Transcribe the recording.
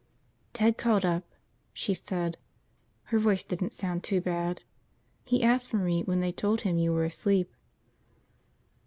"Ted called up," she said. Her voice didn't sound too bad. "He asked for me when they told him you were asleep."